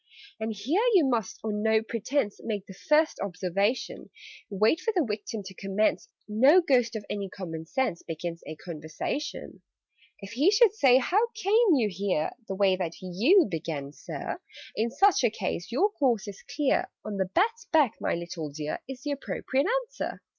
"And here you must on no pretence Make the first observation. Wait for the Victim to commence: No Ghost of any common sense Begins a conversation. "If he should say 'How came you here?' (The way that you began, Sir,) In such a case your course is clear 'On the bat's back, my little dear!' Is the appropriate answer.